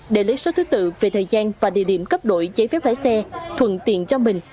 để lấy số thứ tự về thời gian và địa điểm cấp đổi giấy phép lái xe thuận tiện cho mình